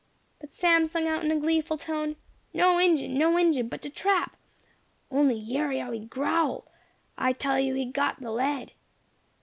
But Sam sung out in gleeful tone: "No Injin! no Injin! but de trap. Only yerry[#] how he growl! I tell you he got de lead!"